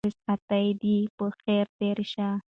رخصتي دې په خير تېره شه.